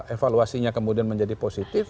evaluasinya kemudian menjadi positif